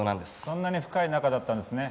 そんなに深い仲だったんですね。